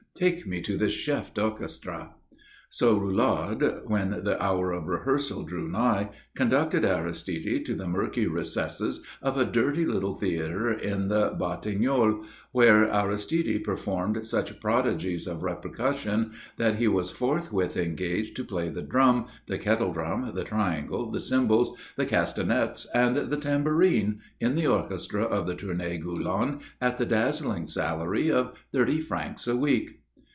_ Take me to this chef d'orchestre." So Roulard, when the hour of rehearsal drew nigh, conducted Aristide to the murky recesses of a dirty little theatre in the Batignolles, where Aristide performed such prodigies of repercussion that he was forthwith engaged to play the drum, the kettle drum, the triangle, the cymbals, the castagnettes and the tambourine, in the orchestra of the Tournée Gulland at the dazzling salary of thirty francs a week.